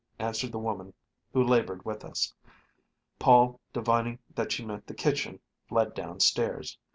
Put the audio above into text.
answered the woman who labored with us. Paul, divining that she meant the kitchen, fled down stairs.